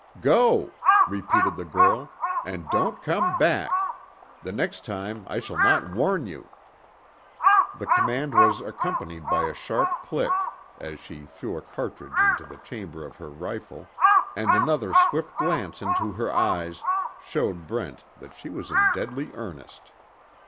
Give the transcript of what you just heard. "Go!" repeated the girl, "and don't come back! The next time I shall not warn you." The command was accompanied by a sharp click, as she threw a cartridge into the chamber of her rifle, and another swift glance into her eyes showed Brent that she was in deadly earnest.